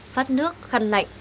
phát nước khăn lạnh